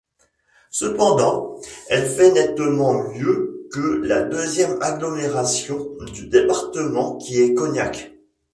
Cependant, elle fait nettement mieux que la deuxième agglomération du département qui est Cognac.